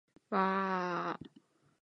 わああああ